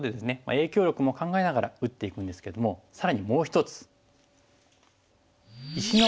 影響力も考えながら打っていくんですけども更にもう１つ。